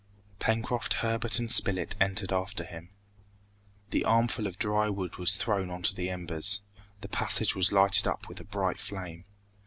Pencroft, Herbert, and Spilett entered after him. An armful of dry wood was thrown on the embers. The passage was lighted up with a bright flame.